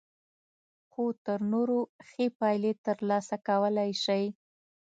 خو تر نورو ښې پايلې ترلاسه کولای شئ.